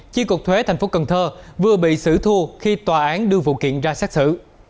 chi cục thuế tp cần thơ vừa bị xử thua khi tòa án đưa vụ kiện ra xác xử